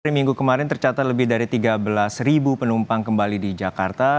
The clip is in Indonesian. hari minggu kemarin tercatat lebih dari tiga belas penumpang kembali di jakarta